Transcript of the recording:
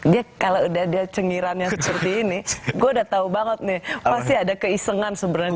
dia kalau udah dia cengirannya seperti ini gue udah tau banget nih pasti ada keisengan sebenarnya